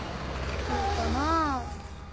そうかなぁ。